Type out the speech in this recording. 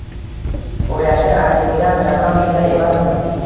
"O'ylashga arziydigan raqam, shunday emasmi?